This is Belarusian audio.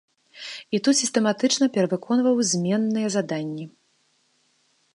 І тут сістэматычна перавыконваў зменныя заданні.